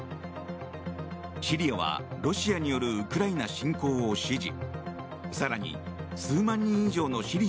シリアは、ロシアによるウクライナ侵攻を支持。